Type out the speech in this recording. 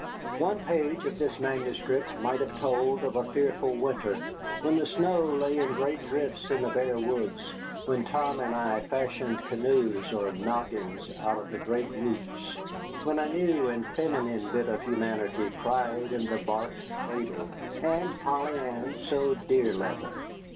One page of this manuscript might have told of a fearful winter, when the snow lay in great drifts in the bare woods, when Tom and I fashioned canoes or noggins out of the great roots, when a new and feminine bit of humanity cried in the bark cradle, and Polly Ann sewed deer leather.